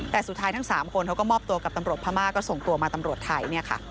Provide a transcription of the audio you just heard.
แต่สุดท้ายทั้ง๓คนเขาก็มอบตัวกับตำรวจพม่าก็ส่งตัวมาตำรวจไทย